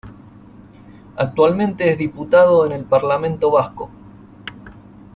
Actualmente es Diputado en el Parlamento Vasco.